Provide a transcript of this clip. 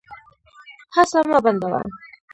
هڅه مه بندوه.